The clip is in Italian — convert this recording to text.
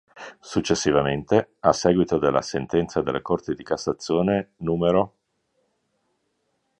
Successivamente, a seguito della sentenza della Corte di Cassazione n.